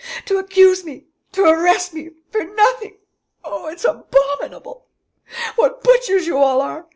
To accuse me ... to arrest me ... for nothing! ... Oh, it's abominable! ... What butchers you all are!